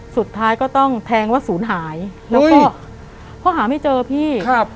สุดท้ายก็ต้องแทงว่าศูนย์หายแล้วก็เพราะหาไม่เจอพี่ครับ